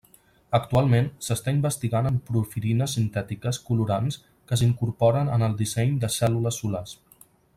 Actualment s'està investigant en porfirines sintètiques colorants que s'incorporen en el disseny de cèl·lules solars.